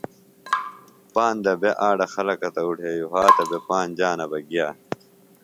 پاندہ بےۡ آڈہ خلکہ تہ اُڈھیویۡ وھاتہ بےۡ پانج جانہ بہ گِیہ